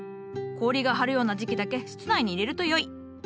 氷が張るような時期だけ室内に入れるとよい。